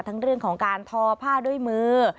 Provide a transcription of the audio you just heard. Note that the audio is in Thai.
ทั้งเรื่องของการทอผ้าด้วยมือ